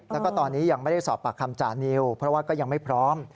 แล้วก็ตอนนี้ยังไม่ได้สอบปากคำจานิวเพราะว่าก็ยังไม่พร้อม